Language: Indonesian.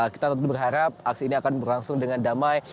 kita tentu berharap aksi ini akan berlangsung dengan damai